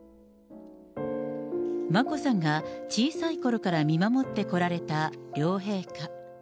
眞子さんが小さいころから見守ってこられた両陛下。